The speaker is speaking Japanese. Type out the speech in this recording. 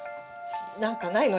何かないの？